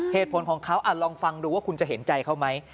เหตุผลของเขาลองฟังดูว่าคุณจะเห็นใจเขาไหม